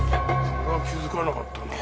それは気づかなかったな。